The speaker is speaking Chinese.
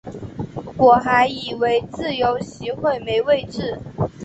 我还以为自由席会没位子